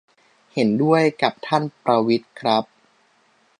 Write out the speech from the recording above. เห็นด้วยกับท่านประวิตรครับ